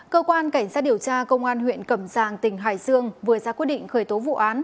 cơ quan cảnh sát điều tra công an huyện cẩm giang tỉnh hải dương vừa ra quyết định khởi tố vụ án